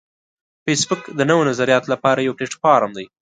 فېسبوک د نوو نظریاتو لپاره یو پلیټ فارم دی